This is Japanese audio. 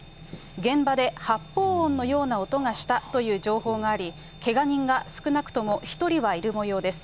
現場で発砲音のような音がしたという情報があり、けが人が少なくとも１人はいるもようです。